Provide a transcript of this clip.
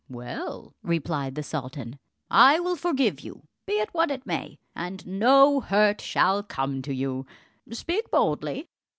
"Well," replied the sultan, "I will forgive you, be it what it may, and no hurt shall come to you; speak boldly."